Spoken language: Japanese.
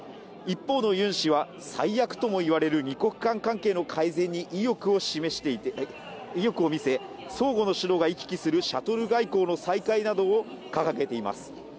一方のユン氏は最悪ともいわれる二国間関係の改善に意欲を見せ相互の首脳が行き来するシャトル外交の再開などを掲げています。